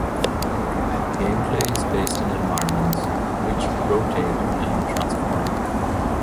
Gameplay is based in environments which rotate and transform.